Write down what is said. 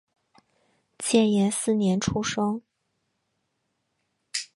建炎四年出生。